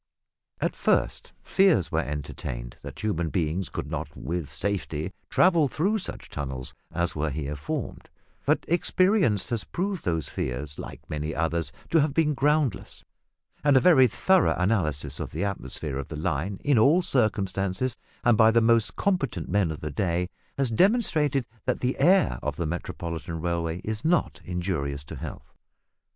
At first fears were entertained that human beings could not with safety travel through such tunnels as were here formed, but experience has proved those fears, like many others, to have been groundless, and a very thorough analysis of the atmosphere of the line in all circumstances, and by the most competent men of the day, has demonstrated that the air of the Metropolitan railway is not injurious to health.